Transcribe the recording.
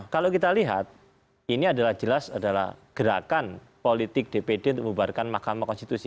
kalau kita lihat ini adalah jelas adalah gerakan politik dpd untuk membubarkan mahkamah konstitusi